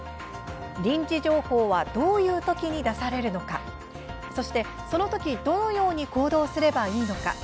臨時情報はどういう時に出されるのかそして、その時どのように行動すればいいのか。